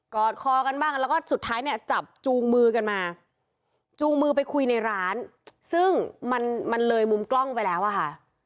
อดคอกันบ้างแล้วก็สุดท้ายเนี่ยจับจูงมือกันมาจูงมือไปคุยในร้านซึ่งมันมันเลยมุมกล้องไปแล้วอะค่ะ